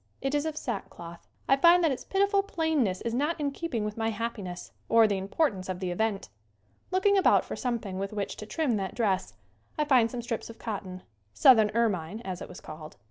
It is of sack cloth. I find that its pitiful plainness is not in keeping with my happiness or the importance of the event. Looking about for something with which to trim that dress I find some strips of cotton "southern ermine," as it was called.